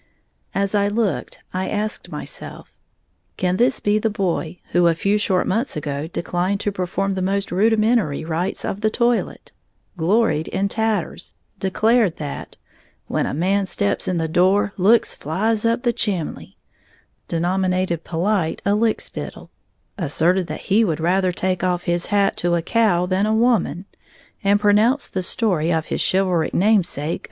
As I looked, I asked myself, Can this be the boy who a few short months ago declined to perform the most rudimentary rites of the toilet, gloried in tatters, declared that "when a man steps in the door, looks flies up the chimley", denominated "polite" a "lick spittle", asserted that he would rather take off his hat to a cow than a woman, and pronounced the story of his chivalric namesake a "slander"?